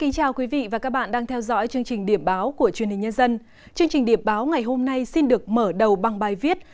chương trình điểm báo ngày hôm nay xin được mở đầu bằng bài viết